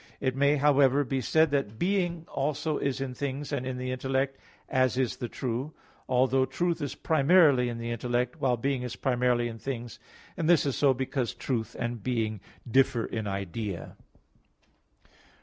1). It may, however, be said that being also is in things and in the intellect, as is the true; although truth is primarily in the intellect, while being is primarily in things; and this is so because truth and being differ in idea.